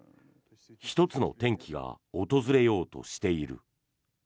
１つの転機が訪れようとしている。